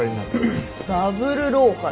「ダブルローカル」？